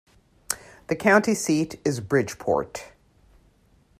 The county seat is Bridgeport.